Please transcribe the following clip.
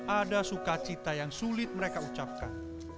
ada sukacita yang sulit mereka ucapkan